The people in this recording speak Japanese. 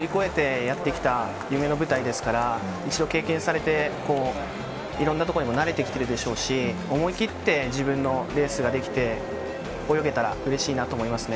その苦節を乗り越えてやってきた夢の舞台ですから、一度経験されていろんなところにも慣れてきてるでしょうし、思い切って自分のレースができて、泳げたら、うれしいなと思いますね。